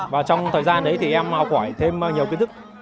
và trong thời gian đấy thì em học hỏi thêm nhiều kiến thức